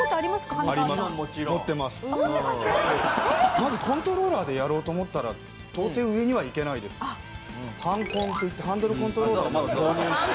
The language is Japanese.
まずコントローラーでやろうと思ったらハンコンっていってハンドルコントローラーをまず購入して。